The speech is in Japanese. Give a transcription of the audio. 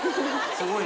すごい！